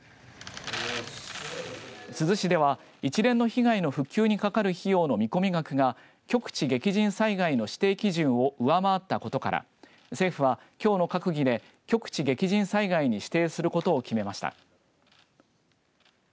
珠洲市では、一連の被害の復旧にかかる費用の見込み額が局地激甚災害の指定基準を上回ったことから政府はきょうの閣議で局地激甚災害に指定することを決めました。